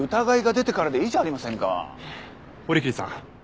あ堀切さん。